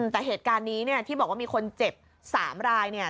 แต่เหตุการณ์นี้เนี่ยที่บอกว่ามีคนเจ็บ๓รายเนี่ย